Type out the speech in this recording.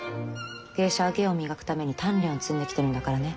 芸者は芸を磨くために鍛錬を積んできてるんだからね。